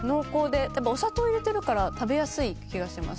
やっぱお砂糖入れてるから食べやすい気がします。